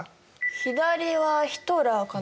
左はヒトラーかな。